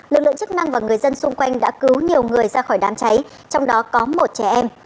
lực lượng chức năng và người dân xung quanh đã cứu nhiều người ra khỏi đám cháy trong đó có một trẻ em